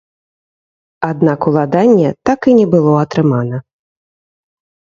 Аднак уладанне так і не было атрымана.